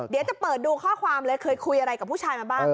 เดี๋ยวจะเปิดดูข้อความเลยเคยคุยอะไรกับผู้ชายมาบ้าง